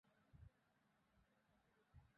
অদৃষ্টের সঙ্গে নিজেকে খাপ খাইয়ে নিয়েছি।